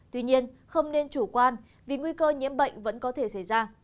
tuy nhiên không nên chủ quan vì nguy cơ nhiễm bệnh vẫn có thể xảy ra